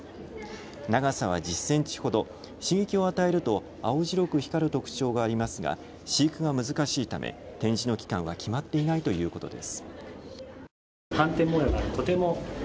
長さは１０センチほど、刺激を与えると青白く光る特徴がありますが飼育が難しいため展示の期間は決まっていないということです。